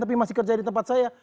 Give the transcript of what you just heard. tapi masih kerja di tempat saya